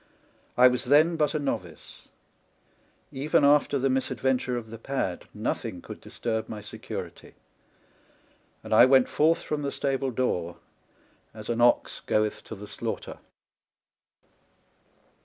I was then but a novice ; even after the mis adventure of the pad nothing could disturb my security, and I went forth from the stable door as an ox goeth to the slaughter.